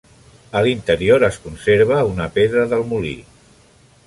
A l'interior es conserva una pedra del molí.